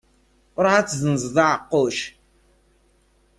Ruḥ ad tezzenzeḍ aɛeqquc.